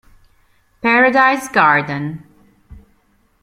Paradise Garden